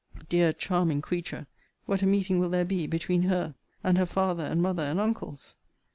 Dear charming creature! What a meeting will there be between her and her father and mother and uncles!